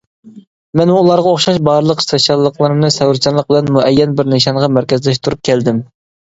مەنمۇ ئۇلارغا ئوخشاش بارلىق تىرىشچانلىقلىرىمنى سەۋرچانلىق بىلەن مۇئەييەن بىر نىشانغا مەركەزلەشتۈرۈپ كەلدىم.